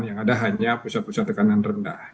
yang ada hanya pusat pusat tekanan rendah